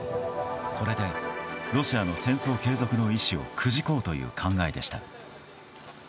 これでロシアの戦争継続の意志をくじこうという考えでした。